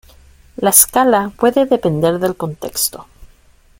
La escala puede depender del contexto.